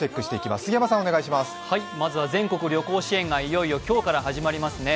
まずは全国旅行支援がいよいよ今日から始まりますね。